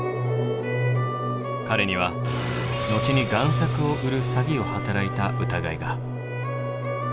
彼には後に贋作を売る詐欺を働いた疑いが。